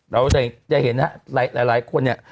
เราจะเห็นนะครับหลายคนเนี่ย